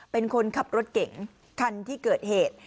เป็นคนขับรถเก๋งคันที่เกิดเหตุ